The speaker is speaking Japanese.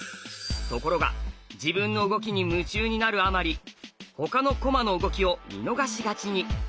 ところが自分の動きに夢中になるあまり他の駒の動きを見逃しがちに。